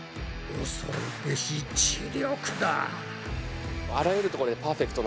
恐るべし知力だ。